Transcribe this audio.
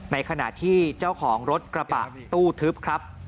ในขณะที่เจ้าของรถกระบะตู้ทึบครับ